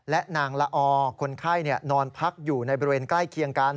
และนางละออคนไข้นอนพักอยู่ในบริเวณใกล้เคียงกัน